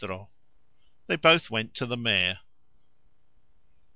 They both went to the mayor.